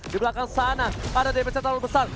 di belakang sana ada damage nya terlalu besar